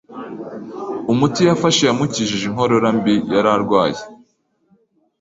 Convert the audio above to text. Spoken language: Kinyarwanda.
Umuti yafashe yamukijije inkorora mbi yari arwaye.